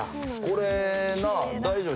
これ大丈夫？